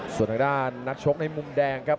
ส่วนทางด้านนักชกในมุมแดงครับ